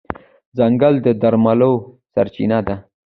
ځنګل د درملو سرچینه ده.